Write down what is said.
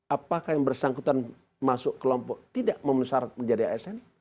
apakah yang bersangkutan masuk kelompok tidak memenuhi syarat menjadi asn